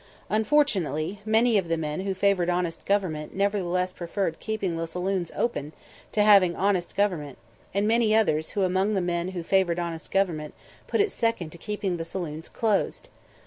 Unfortunately, many of the men who favored honest government nevertheless preferred keeping the saloons open to having honest government; and many others among the men who favored honest government put it second to keeping the saloons closed.